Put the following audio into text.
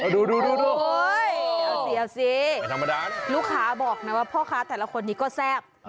ดูเอาสิลูกค้าบอกนะว่าพ่อค้าแต่ละคนนี้ก็แซ่บ